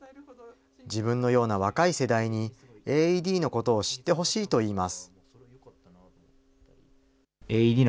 自分のような若い世代に、ＡＥＤのことを知ってほしいといいます。